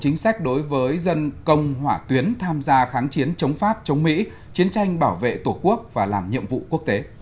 chính sách đối với dân công hỏa tuyến tham gia kháng chiến chống pháp chống mỹ chiến tranh bảo vệ tổ quốc và làm nhiệm vụ quốc tế